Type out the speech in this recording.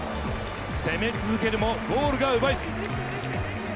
攻め続けるもゴールが奪えず。